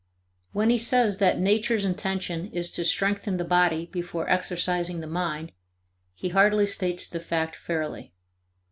When he says that "Nature's intention is to strengthen the body before exercising the mind" he hardly states the fact fairly.